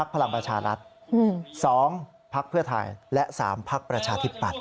๑พลังประชารัฐ๒พลังเพื่อไทย๓พลังประชาธิปัตย์